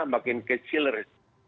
makin kecil resiko